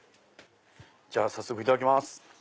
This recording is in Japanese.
じゃあ早速いただきます。